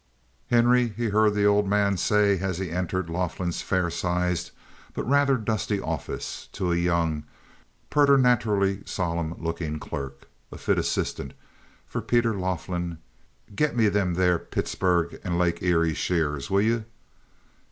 "Henry," he heard the old man say, as he entered Laughlin's fair sized but rather dusty office, to a young, preternaturally solemn looking clerk, a fit assistant for Peter Laughlin, "git me them there Pittsburg and Lake Erie sheers, will you?"